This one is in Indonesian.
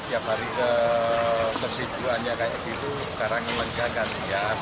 tiap hari ke persiduannya kayak gitu sekarang melengkarkan ya